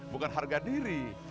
bukan harga diri